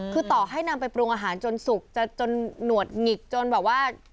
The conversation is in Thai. คือต่อให้นำไปปรุงอาหารจนสุกจนหนวดหงิกจนแบบว่า